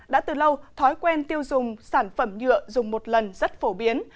đã từ lâu thói quen tiêu dùng sản phẩm nhựa dùng một lần rất phổ biến